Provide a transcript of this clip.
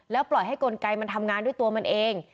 ปล่อยให้กลไกมันทำงานด้วยตัวมันเอง